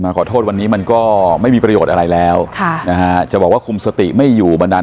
ขอโทษวันนี้มันก็ไม่มีประโยชน์อะไรแล้วค่ะนะฮะจะบอกว่าคุมสติไม่อยู่บันดาล